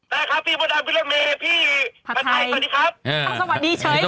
ได้ครับพี่บอดับพี่ละเมพี่พะไทยสวัสดีครับ